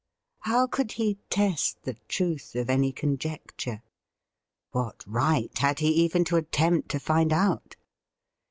How could he test the truth of any conjecture ? What right had he even to attempt to find out.''